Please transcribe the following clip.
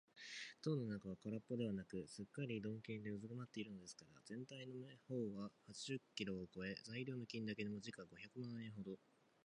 塔の中はからっぽではなく、すっかり純金でうずまっているのですから、ぜんたいの目方は八十キロをこえ、材料の金だけでも時価五百万円ほど